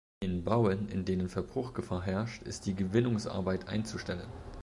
In Bauen, in denen Verbruchgefahr herrscht, ist die Gewinnungsarbeit einzustellen.